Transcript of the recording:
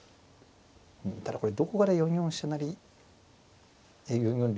ただこれどこかで４四飛車成４四竜